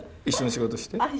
一緒に仕事して。